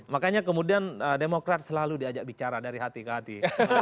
makanya kemudian demokrat selalu diajak bicara dari hati ke hati